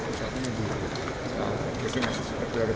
jadi ini adalah prioritas baru dari p tiga